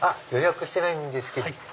予約してないんですけど。